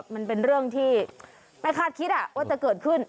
มันเป็นเรื่องที่ไม่คาดคิดว่าจะเกิดขึ้น